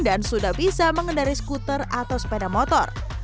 sudah bisa mengendari skuter atau sepeda motor